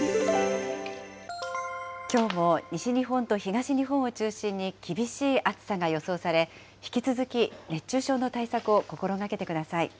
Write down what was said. きょうも西日本と東日本を中心に厳しい暑さが予想され、引き続き熱中症の対策を心がけてください。